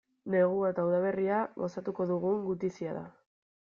Negua eta udaberria gozatuko digun gutizia da.